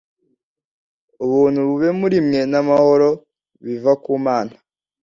ubuntu bube muri mwe n amahoro biva ku mana